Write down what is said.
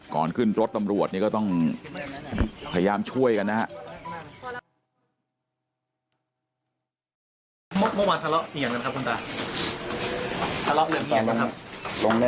ก่อนขึ้นรถตำรวจนี่ก็ต้องพยายามช่วยกันนะครับ